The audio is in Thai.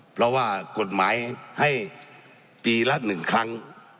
เพราะว่ากฎหมายให้ปีละ๑ครั้ง